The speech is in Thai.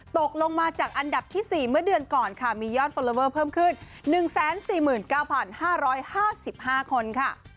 ตกลงมาจากอันดับที่๔เมื่อเดือนก่อนค่ะมียอดฟอลลอเวอร์เพิ่มขึ้น๑๔๙๕๕คนค่ะ